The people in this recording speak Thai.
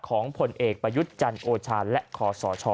ของผลเอกประยุจรรย์จันทร์โอชาและคอสช